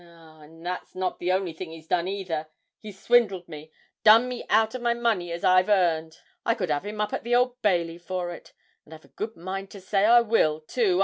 Ah! and that's not the only thing he's done either he's swindled me, done me out o' my money as I've earned. I could 'ave him up at the Old Bailey for it and I've a good mind to say I will, too.